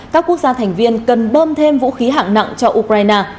các quốc gia thành viên cần bơm thêm vũ khí hạng nặng cho ukraine